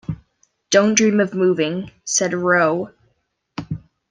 "Don't dream of moving," said Rowe.